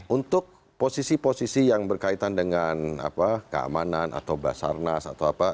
untuk posisi posisi yang berkaitan dengan keamanan atau basarnas atau apa